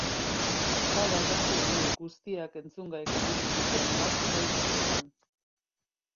Bada, kantu horiek guztiak entzungai jarri ditugu hainbat playlistetan.